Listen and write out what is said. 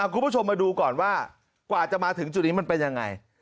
คุณผู้ชมมาดูก่อนว่ากว่าจะมาถึงจุดนี้มันเป็นยังไง